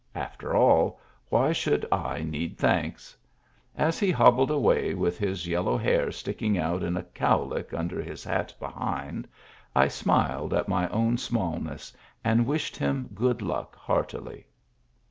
After all, why should I need thanks? As he hobbled away with his yellow hair sticking out in a cowlick under his hat behind, I smiled at my own small ness, and wished him good luck heartily.